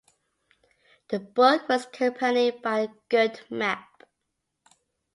The book was accompanied by a good map.